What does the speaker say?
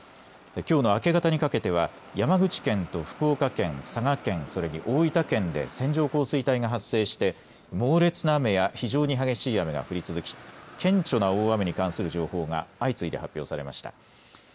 きょうの明け方にかけては山口県と福岡県、佐賀県、それに大分県で線状降水帯が発生して猛烈な雨や非常に激しい雨が降り続き顕著な大雨に関する情報が相次いで発表されました。